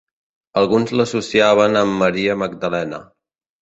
Alguns l'associaven amb Maria Magdalena.